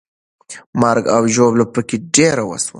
مرګ او ژوبله پکې ډېره وسوه.